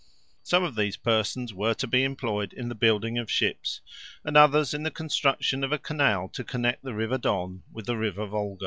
Some of these persons were to be employed in the building of ships, and others in the construction of a canal to connect the River Don with the River Wolga.